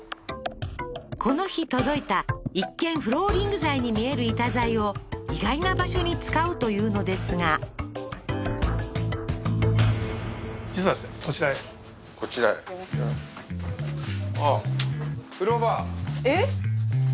この日届いた一見フローリング材に見える板材を意外な場所に使うというのですがこちらへえっ？